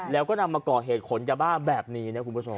แล้วก็นำมาก่อเหตุขนยาบ้าแบบนี้นะคุณผู้ชม